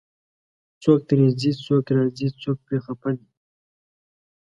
څوک ترې ځي، څوک راځي، څوک پرې خفه دی